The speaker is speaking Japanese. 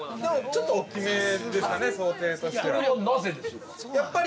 ◆ちょっと大きめですかね、想定としては。